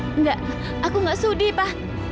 tidak aku tidak sudi pa